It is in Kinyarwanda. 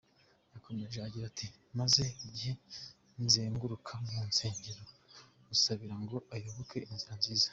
Yakomeje agira ati :« Maze igihe nzenguruka mu nsengero musabira ngo ayoboke inzira nziza.